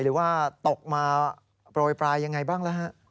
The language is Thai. หรือว่าตกมาโปรยปลายอย่างไรบ้าง